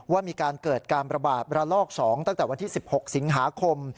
ว่ามีการเกิดการประบาดระลอก๒ตั้งแต่วันที่๑๖สิงหาคม